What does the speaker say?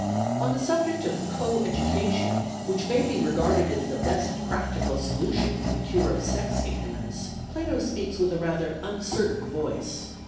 On the subject of co education, which may be regarded as the best practical solution for the cure of sex ignorance, Plato speaks with a rather uncertain voice.